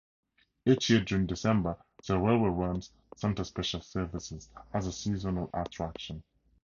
Each year during December, the railway runs Santa Special services as a seasonal attraction.